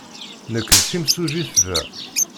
Nekk d timsujjit da.